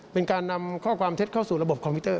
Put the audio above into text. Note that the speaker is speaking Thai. เป็นการนำข้อความเท็จเข้าสู่ระบบคอมพิวเต